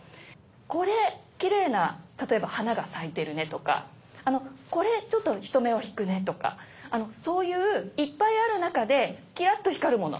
これキレイな例えば「花が咲いてるね」とか「これちょっと人目を引くね」とかそういういっぱいある中でキラっと光るもの。